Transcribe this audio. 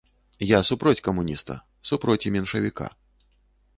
Я супроць камуніста, супроць і меншавіка.